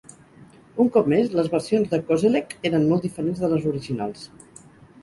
Un cop més, les versions de Kozelek eren molt diferents de les originals.